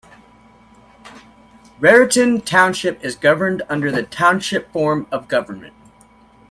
Raritan Township is governed under the Township form of government.